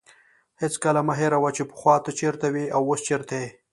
هېڅکله مه هېروه چې پخوا ته چیرته وې او اوس چیرته یې.